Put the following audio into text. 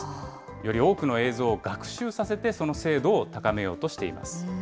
より多くの映像を学習させて、その精度を高めようとしています。